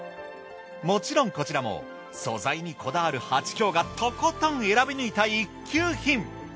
もちろんこちらも素材にこだわるはちきょうがとことん選び抜いた一級品。